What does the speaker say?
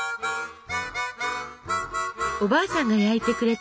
おばあさんが焼いてくれた思い出の味